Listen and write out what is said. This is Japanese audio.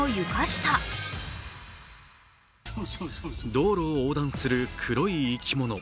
道路を横断する黒い生き物。